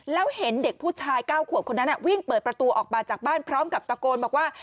แล้วเห็นเด็กผู้ชาย๙ขวบคนนั้นวิ่งเปิดประตูออกมาจากบ้านพร้อมกับตะโกนบอกว่า